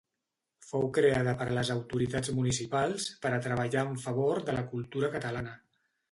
Fou creada per les autoritats municipals per a treballar en favor de la cultura catalana.